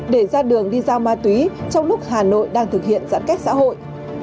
để ra đường đi giao ma túy trong lúc hà nội đang thực hiện giãn cách xã hội